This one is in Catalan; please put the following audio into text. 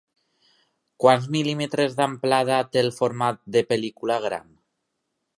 Quants mil·límetres d'amplada té el format de pel·lícula gran?